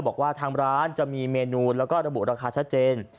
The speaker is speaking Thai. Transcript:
บอกว่าทางร้านจะมีเมนูแล้วก็ระบุราคาชัดเจน